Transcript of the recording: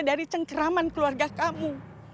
dari cengkeraman keluarga kamu